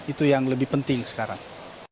itu yang lebih penting sekarang